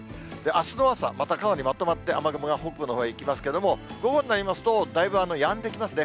あすの朝、またかなりまとまって雨雲が北部のほうへ行きますけれども、午後になりますと、だいぶやんできますね。